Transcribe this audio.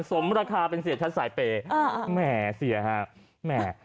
สมราคาเป็นเสียชัดสายเปย์อ่าแหมเสียฮะแหม